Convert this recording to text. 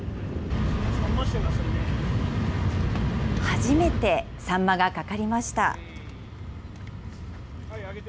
初めてサンマが掛かりました。